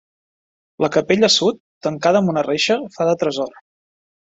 La capella sud, tancada amb una reixa, fa de tresor.